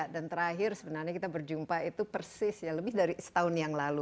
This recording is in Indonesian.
dan terakhir sebenarnya kita berjumpa itu persis lebih dari setahun yang lalu